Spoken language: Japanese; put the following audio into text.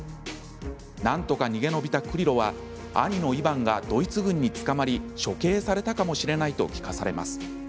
なんとか逃げ延びたクリロは兄のイヴァンがドイツ軍に捕まり処刑されたかもしれないと聞かされます。